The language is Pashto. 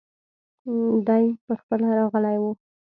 دی پخپله راغلی وو.